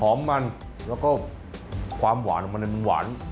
หอมมันแล้วก็ความหวานมันหวาน